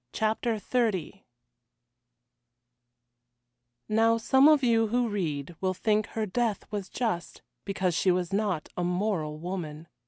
CHAPTER XXX Now some of you who read will think her death was just, because she was not a moral woman.